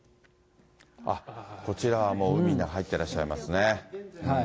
あっ、こちらはもう、海に入ってらっしゃいますね。